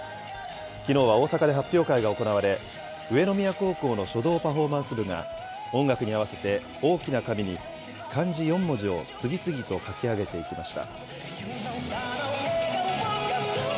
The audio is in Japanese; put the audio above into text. きのうは大阪で発表会が行われ、上宮高校の書道パフォーマンス部が、音楽に合わせて大きな紙に漢字四文字を次々と書き上げていきました。